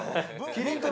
キリンとか。